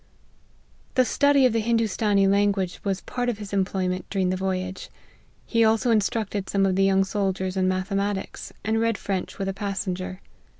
The study of the Hindoostanee language was part of his employment during the voyage. He also instructed some of the young soldiers in mathe matics, and read French with a passenger.